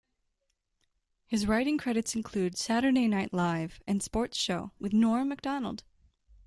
His writing credits include Saturday Night Live and Sports Show with Norm Macdonald.